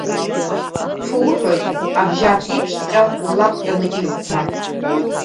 Ҳуҳәоит, абжьааԥны еиԥшҵәҟьа улақәтәаны ирхәмар!